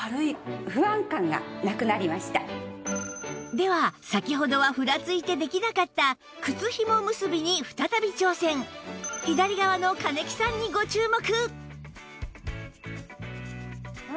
では先ほどはふらついてできなかった靴ひも結びに再び挑戦左側の金木さんにご注目！